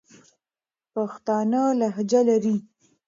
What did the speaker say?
پښتانه لهجه لري.